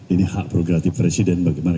ini hak progratif presiden bagaimana